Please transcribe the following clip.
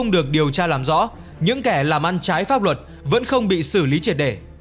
được điều tra làm rõ những kẻ làm ăn trái pháp luật vẫn không bị xử lý triệt để